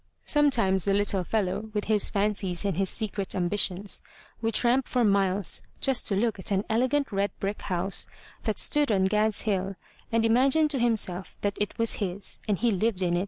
Sometimes the little fellow, with his fancies and his secret ambitions, would tramp for miles just to look at an elegant red brick house that stood on Gad's Hill and imagine to himself that it was his and he lived in it.